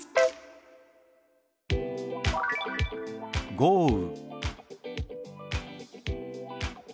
「豪雨」。